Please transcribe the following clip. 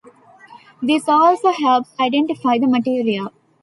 This also helps identify the material.